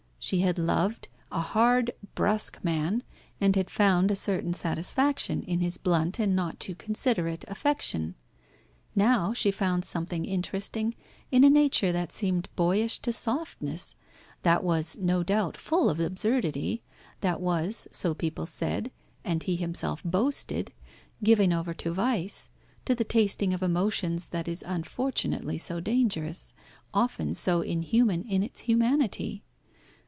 She had loved a hard, brusque man, and had found a certain satisfaction in his blunt and not too considerate affection; now she found something interesting in a nature that seemed boyish to softness, that was no doubt full of absurdity, that was, so people said, and he himself boasted, given over to vice, to the tasting of emotions that is unfortunately so dangerous, often so inhuman in its humanity.